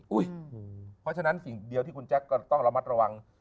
เพราะฉะนั้นสิ่งเดียวที่คุณแจ๊คก็ต้องระมัดระวัง